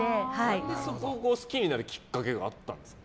何でそこを好きになるきっかけがあったんですか？